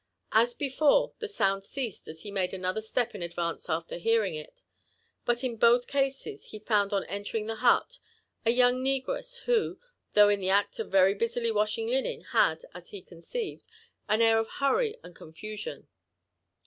As before, the sound ceased as he made another step in advance after hearing it ; but in both cases he found on entering the hut a young negress, who, tiiough in the act of very busily washing linen, had, as he conceived, an air of hurry and confusion.